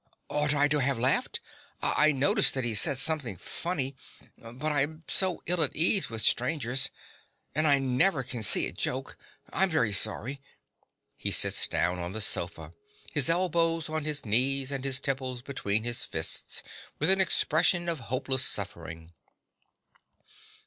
Ought I to have laughed? I noticed that he said something funny; but I am so ill at ease with strangers; and I never can see a joke! I'm very sorry. (He sits down on the sofa, his elbows on his knees and his temples between his fists, with an expression of hopeless suffering.)